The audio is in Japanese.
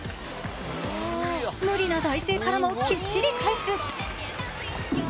無理な体勢からもきっちり返す。